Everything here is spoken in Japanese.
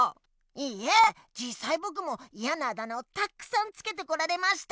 いえじっさいぼくもいやなあだ名をたくさんつけてこられました！